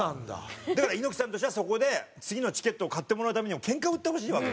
だから猪木さんとしてはそこで次のチケットを買ってもらうためにもけんかを売ってほしいわけ。